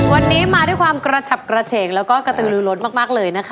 วันนี้มาด้วยความกระฉับกระเฉกแล้วก็กระตือลือล้นมากเลยนะคะ